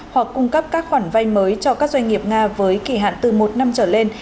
hoặc cung cấp các khoản vay mới cho các doanh nghiệp nga với kỳ hạn từ một năm trở lên